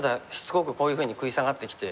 こういうふうに食い下がってきて。